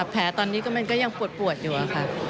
แผลตอนนี้ก็ยังปวดอยู่